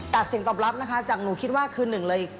เสียงตอบรับนะคะจากหนูคิดว่าคือหนึ่งเลย